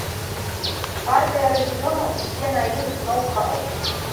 Партыя рэгіёнаў ідзе на іх з ноў-хаў.